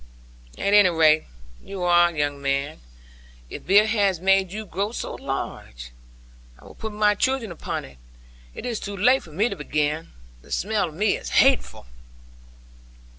'At any rate, you are, young man. If beer has made you grow so large, I will put my children upon it; it is too late for me to begin. The smell to me is hateful.'